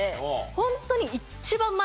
ホントに。